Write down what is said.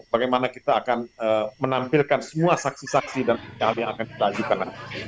bagaimana kita akan menampilkan semua saksi saksi dan hal yang akan kita ajukan nanti